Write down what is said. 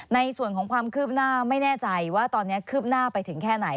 ในส่วนของความคืบหน้าไม่แน่ใจว่าตอนนี้คืบหน้าไปถึงแค่ไหน